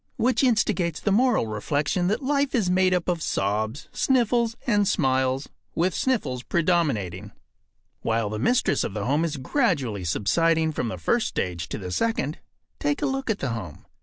Which instigates the moral reflection that life is made up of sobs, sniffles, and smiles, with sniffles predominating. While the mistress of the home is gradually subsiding from the first stage to the second, take a look at the home.